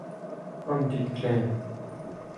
An dud klañv.